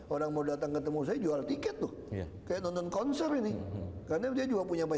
orang mau datang ketemu saya jual tiket tuh kayak nonton konser ini karena dia juga punya banyak